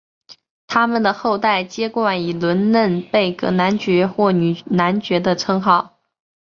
他们的后代皆冠以伦嫩贝格男爵或女男爵的称号。